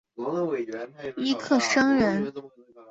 尹克升人。